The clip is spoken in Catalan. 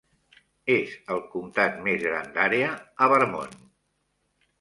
És el Comtat més gran d'àrea a Vermont.